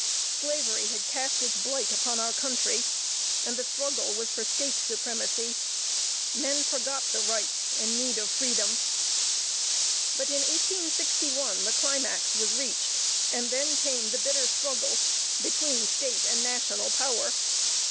Slavery had cast its blight upon our country, and the struggle was for State supremacy. Men forgot the rights, and need of freedom; but in 1861, the climax was reached, and then came the bitter struggle between state and national power.